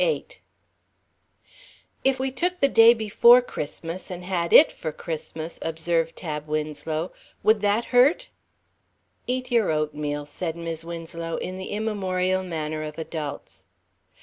VIII "If we took the day before Christmas an' had it for Christmas," observed Tab Winslow, "would that hurt?" "Eat your oatmeal," said Mis' Winslow, in the immemorial manner of adults.